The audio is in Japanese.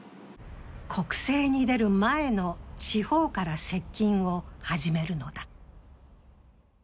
国政に出る前の地方から接近を始めるのだ。